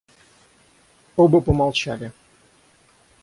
Оба помолчали.